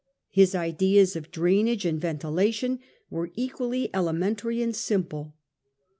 His ideas of drainage and ventilation were equally elementary and simple.